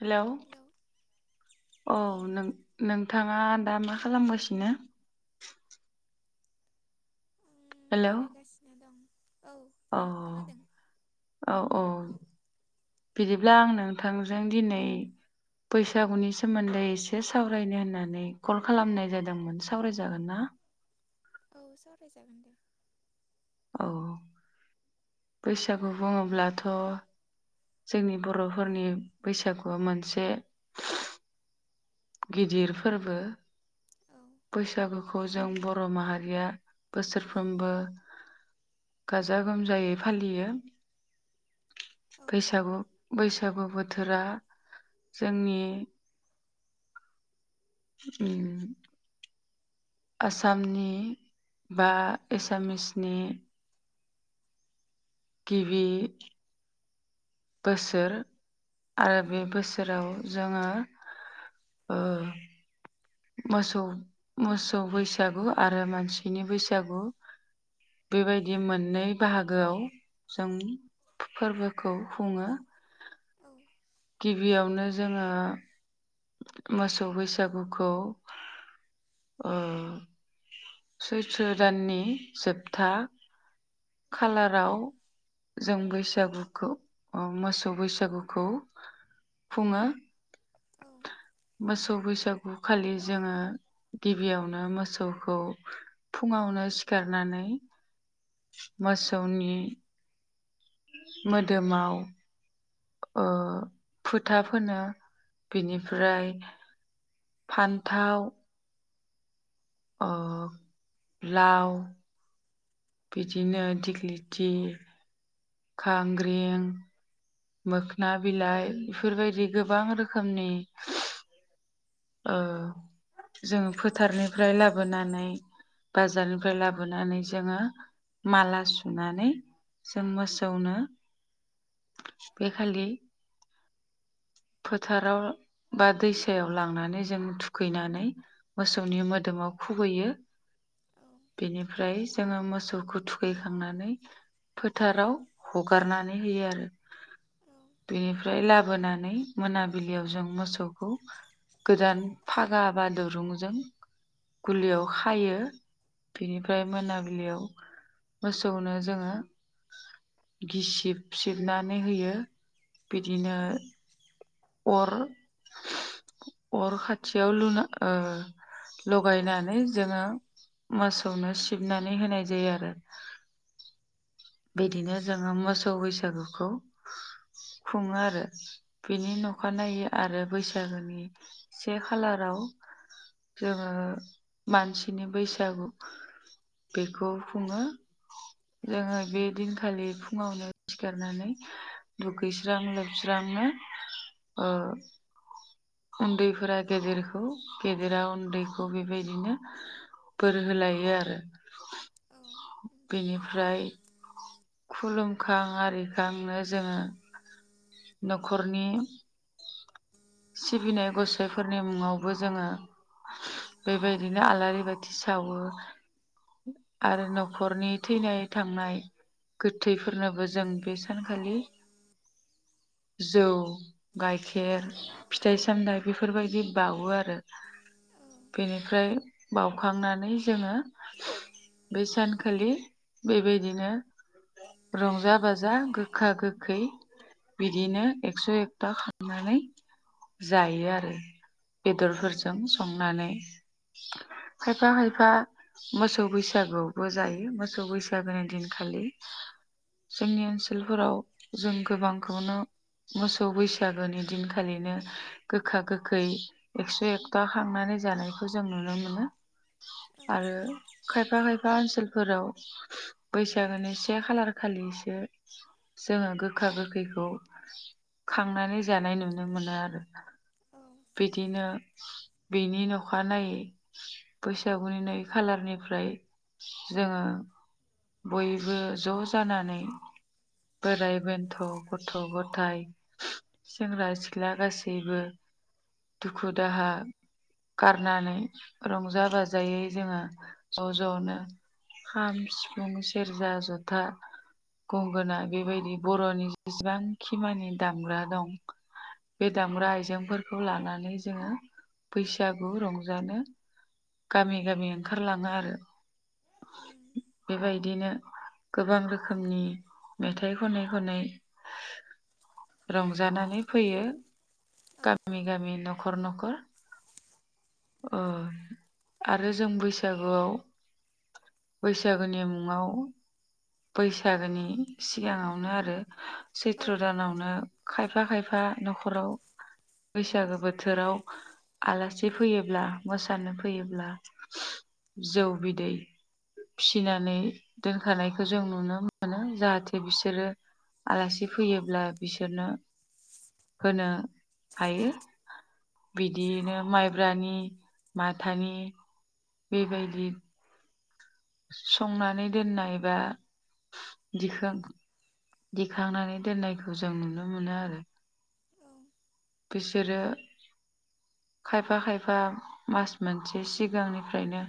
Hello औ नों नोंथाङा दा मा खालामगासिनो? उम बेरायगासिनो दं औ खोनादों अ' औ औ बिदिब्ला आं नोंथांजों दिनै बैसागुनि सोमोन्दै एसे सावरायनो होननानै कल खालामनाय जादोंमोन सावराय जागोन ना? औ सावरायजागोन दे औ बैसागु बुङोब्लाथ' जोंनि बर'फोरनि बैसागुआ मोनसे गिदिर फोरबो। औ बैसागु खौ जों बर' माहारिया बोसोर फ्रोमबो गाजा गोमजायै फालियो‌। औ बैसागु बैसागु बोथोरा जोंनि उम आसामनि बा एसामिसनि गिबि बोसोर। आरो औ बे बोसोराव जोङो ओ मोसौ मोसौ बैसागु आरो मानसिनि बैसागु बेबायदि मोननै बाहागोआव जों फो-फोरबोखौ खुङो। औ गिबियावनो जोङो मोसौ बैसागुखौ ओ सैथ्रो' दाननि जोबथा खालाराव जों बैसागुखौ अ' मोसौ बैसागुखौ खुङो। औ मोसौ बैसागु खालि जोङो गिबियावनो मोसौखौ फुङावनो सिखारनानै मोसौनि मोदोमाव ओ फोथा फोनो बिनिफ्राय फान्थाव अह लाव बिदिनो दिगलिथि खांग्रिं। मोखना बिलाइ बेफोरबायदि गोबां रोखोमनि ओ जोङो फोथारनिफ्राय लाबोनानै बाजारनिफ्राय लाबोनानै जोङो माला सुनानै जों मोसौनो बे खालि फोथाराव बा दैसायाव लांना नै जों थुखैनानै मोसौनि मोदोमाव खुबैयो बेनिफ्राय जोङो मोसौखौ थुखैखांनानै फोथाराव हगारनानै होयो आरो औ बेनिफ्राय लाबोनानै मोनाबिलियाव जों मोसौखौ गोदान फागा बा दुरुंजों गुलियाव खायो बिनिफ्राय मोनाबिलियाव मोसौनो जोङो गिसिब सिबनानै होयो बिदिनो अर अर खाथियाव लुना ओ लगायनानै जोङो मोसौनो सिबनानै होनाय जायो आरो। बिदिनो जोङो मोसौ बैसागुखौ खुङो आरो बिनि नखानायै आरो बैसागोनि से खालाराव जोङो मानसिनि बैसागु बेखौ खुङो। जोङो। दिनखालि फुङावनो सिखारनानै दुगैस्रां लोबस्रांनो ओ उन्दैफोरा गेदेरखौ गेदेरा उन्दैखौ बेबायदिनो बोर होलायो आरो। औ नंगौ बेनिफ्राय खुलुमखां आरिखांनो जोङो। न'खरनि सिबिनाय गसाइफोरनि मुङावबो जोङो बेबायदिनो आलारि बाथि सावो आरो न'खरनि थैनाय थांनाय गोथैफोरनोबो जों बे सानखालि जौ गाइखेर फिथाइ सामथाइ बेफोरबायदि बावो आरो औ बेनिफ्राय बावखांनानै जोङो बे सानखालि बेबायदिनो रंजा बाजा गोखा गोखै बिदिनो एक्स' एकथा खांनानै जायो आरो। औ बेदरफोरजों संनानै खायफा खायफा मोसौ बैसागुआवबो जायो मोसौ बैसागोनि दिनखालि जोंनि ओनसोलफोराव जों गोबांखौनो मोसौ बैसागोनि दिन खालिनो गोखा गोखै एक्स' एकथा खांनानै जानायखौ जों नुनो मोनो आरो खायफा खायफा ओनसोलफोराव बैसागोनि से खालार खालिसो जोङो गोखा गोखैखौ खांनानै जानाय नुयो। नुनो मोनो आरो। औ बिदिनो बिनि अखानायै बैसागुनि नै खालारनिफ्राय जोङो बयबो ज' जानानै बोराइ बेन्थ' गथ' गथाइ सेंग्रा सिख्ला गासैबो। दुखु दाहा गारनानै रंजा बाजायै जोङो ज' ज'नो खाम सिफुं सेरजा जथा गंगोना बेबायदि बर'नि जेसेबां खि मानि दामग्रा दं बे दामग्रा आइजेंफोर खौ लानानै जोङो बैसागु रंजानो गामि गामि ओंखारलाङो आरो उम बेबायदिनो गोबां रोखोमनि मेथाइ खनै खनै रंजानानै फैयो। औ गामि गामि न'खर न'खर ओ आरो जों बैसागुआव बैसागोनि मुङाव बैसागोनि सिगाङावनो आरो। औ सैत्र दानावनो खायफा खायफा न'खराव बैसागो बोथोराव आलासि फैयोब्ला मोसानो फैयोब्ला जौ बिदै फिसिनानै दोनखानाय खौ जों नुनो मोनो जाहाथे बिसोरो आलासि फैयोब्ला बिसोरनो होनो हायो बिदियैनो माइब्रानि माथानि बेबायदि। संनानै दोननाय बा दिखां दिखांनानै दोननायखौ जों नुनो मोनो आरो। बिसोरो खायफा खायफा मास मोनसे सिगांनिफ्रायनो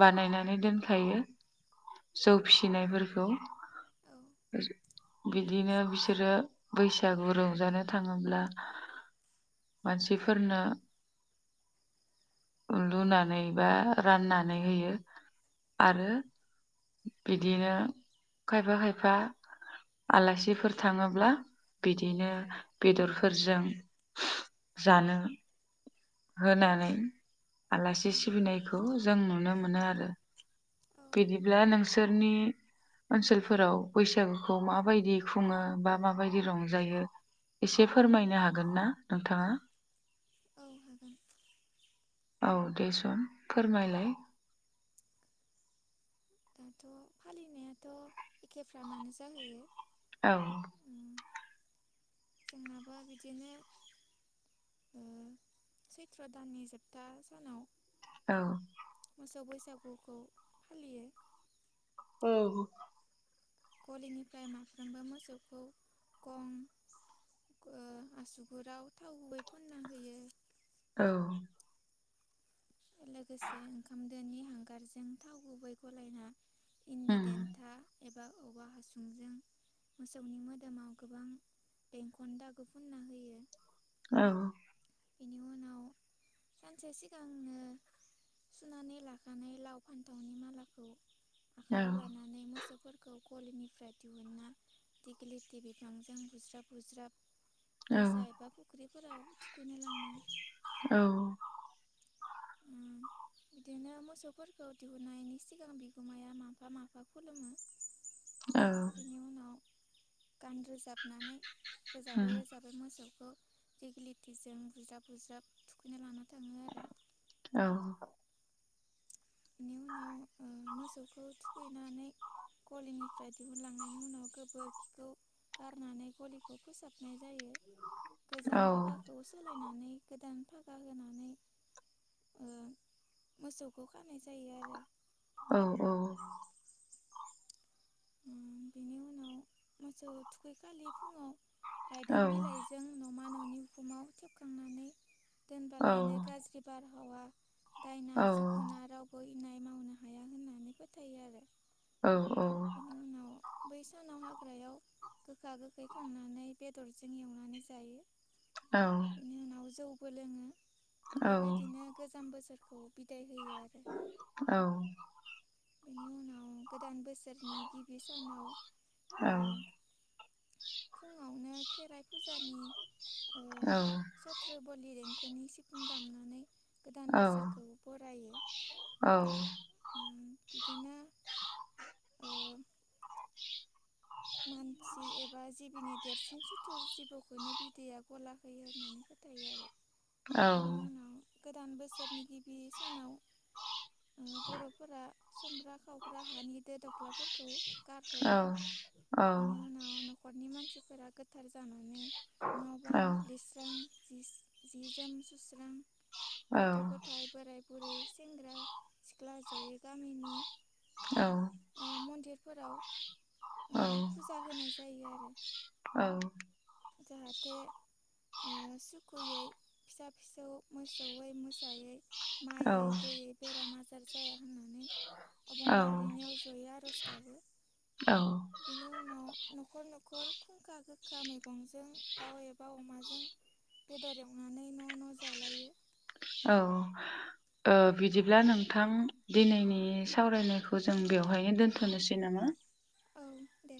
बानायनानै दोनखायो जौ फिसिनायफोरखौ औ बिदिनो बिसोरो बैसागु रंजानो थाङोब्ला। मानसिफोरनो लुनानै बा राननानै होयो आरो बिदिनो खायफा खायफा आलासिफोर थाङोब्ला बिदिनो बेदर फोरजों जानो होनानै आलासि उम सिबिनायखौ जों नुनो मोनो आरो औ बिदिब्ला नोंसोरनि ओनसोलफोराव बैसागुखौ माबायदि खुङो बा माबायदि रंजायो एसे बे फोरमायनो हागोन ना नोंथाङा? औ हागोन। औ दे सन फोरमायलाय। दाथ' फालिनायाथ' एखेफ्रामानो जाहैयो। औ। उम जोंनाबो बिदिनो ओ सैथ्र' दाननि जोबथा सानाव औ। मोसौ बैसागुखौ फालियो। औ। गलिनिफ्राय माफ्रोमबो मोसौखौ गं ओ आसुगुराव थाव गुबै फुनना होयो। औ। लोगोसे ओंखामदोनि हांगारजों थाव गुबै गलायना इन्दि उम देन्था। एबा औवा हासुंजों मोसौनि मोदोमाव गोबां बेंखन दागो फुनना होयो औ बेनि उनाव सानसे सिगांनो सुनानै लाखानाय लाव फान्थावनि मालाखौ औ आखाइयाव लानानै मोसौफोरखौ गलिनिफ्राय दिहुनना दिगिलिथि बिफांजों बुज्राब बुज्राब औ दैसा एबा फुख्रि फोराव थुखैनो लाङो औ ओम बिदिनो मोसौफोरखौ दिहुननायनि सिगां बिगोमाया माफा माफा खुलुमो औ बेनि उनाव गान रो जाबनानै रोजाबै उम रोजाबै मोसौखौ दिगिलिथिजों बुज्राब बुज्राब थुखैनो लाना थाङो। आरो औ बेनि उनाव ओ मोसौखौ थुखैनानै गलिनिफ्राय दिहुनलांनायनि उनाव गोबोरखिखौ गारनानै गलिखौ फोसाबनाय जायो। औ गोजाम फाखाखौ सोलाय नानै गोदान फागा होनानै ओ मोसौखौ खानाय जायो आरो। औ औ उम बेनि उनाव मोसौ थुखैखालियो फुङाव राइदों औ बिलाइजों न'मा न'नि उखुमाव थेबखांनानै औ दोनबालायनो गाज्रि बार दायना जुगुना रावबो दाय मावनो हाया होननानै फोथायो आरो औ औ बेनि उनाव बै सानाव हाग्रायाव गोखा-गोखै खांनानै बेदरजों एवनानै जायो। औ बोलोङो बेबायदिनो गोजाम बोसोर खौ बिदाय होयो औ इयुनाव गोदान बोसोरनि गिबि सानाव ओ फुङावनो खेराइ फुजानि औ [inaudible] पलि देंखोनि सिफुं दामनानै गोदान बोसोरखौ बिदिब्ला बरायो बिदिनो ओ मानसि एबा जिबिनि देरसिन सुथुर जिबौखौनो बिदैया गला होयो होननानै फोथायो आरो औ बेनि उनाव गोदान बोसोरनि गिबि सानाव ओ बर' फोरा संग्रा खावग्रा हानि दो दख्लाफोरखौ गारहरो औ औ नि मानसिफोरा गोथार जानानै न बां लिरस्रां जि जि जोम सुस्रां गथ' गथाय बोराय बुरै सेंग्रा सिख्ला जयै गामिनि ओ मन्दिरफोराव ओ औ फुजा होनाय जायो आरो औ जाहाथे ओ सुखुयै फिसा फिसौ मोसौयै मोसायै माइयै दैयै बेराम आजार जाया होननानै अबंलावरिनियाव जयै आरज गाबो बिनि उनाव न'खर न'खर गर खुंखा गोखा मै जों दाउ एबा अमाजों जों बेदर एवनानै न' न' जालायो औ ओ बिदिब्ला नोंथां दिनैनि सावरायनायखौ जों बेवहायनो दोन्थ'नोसै नामा औ दे